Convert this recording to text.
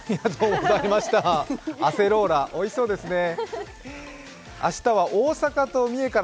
アセローラ、おいしそうですね。